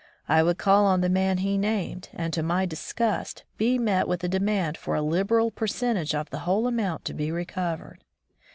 I would call on the man he named, and to my disgust be met with a demand for a liberal percentage on the whole amount to be recovered.